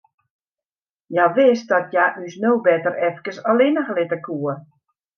Hja wist dat hja ús no better efkes allinnich litte koe.